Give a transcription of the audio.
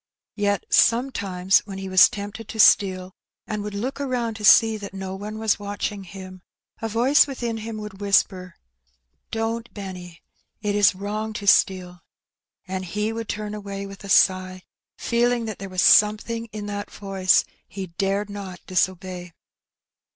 Yet sometimes when he was tempted to steal, and would look around to see that no one was watching him, a voice within him would whisper, ''Don*t, Benny, it is wrong to steal,'' and he would turn away with a sigh, feeling that there was something in that voice he dared not disobey.